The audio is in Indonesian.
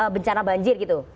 bencana banjir gitu